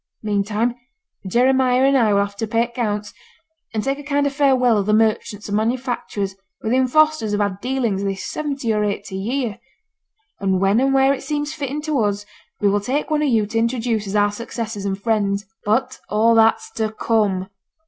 Meantime, Jeremiah and I will have to pay accounts, and take a kind of farewell of the merchants and manufacturers with whom Fosters have had dealings this seventy or eighty year; and when and where it seems fitting to us we will take one of yo' to introduce as our successors and friends. But all that's to come.